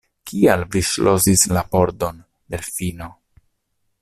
Kial vi ŝlosis la pordon, Delfino?